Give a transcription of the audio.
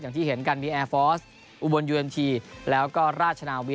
อย่างที่เห็นกันมีแอร์ฟอร์สอุบลยูเอ็มทีแล้วก็ราชนาวี